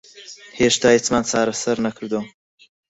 هێشتا هیچمان چارەسەر نەکردووە.